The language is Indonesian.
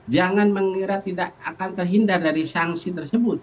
jangan mengira tidak akan terhindar dari sanksi tersebut